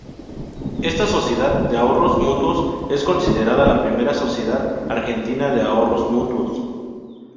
Esta sociedad de ahorros mutuos es considerada la primera sociedad argentina de ahorros mutuos.